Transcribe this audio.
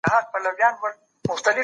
د میندو روغتیا د ټولې کورنۍ روغتیا ده.